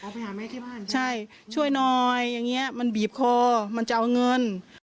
ไปหาแม่ที่บ้านใช่ช่วยหน่อยอย่างเงี้ยมันบีบคอมันจะเอาเงิน